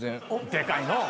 ・でかいのう。